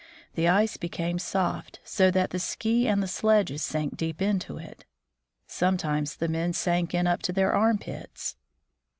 The ice became soft, so that the ski and the sledges sank deep into it. Some times the men sank in up to their armpits.